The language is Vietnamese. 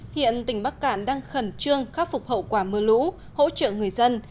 hiện tỉnh bắc cạn đang khẩn trương khắc phục hậu quả mưa lũ hỗ trợ người dân